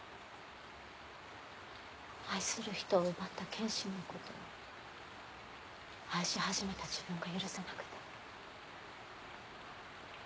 愛する人を奪った剣心のことを愛し始めた自分が許せなくて。